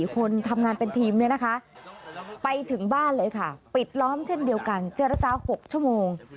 คนทำงานเป็นทีมเนี่ยนะคะไปถึงบ้านเลยค่ะปิดล้อมเช่นเดียวกันเจรจา๖ชั่วโมง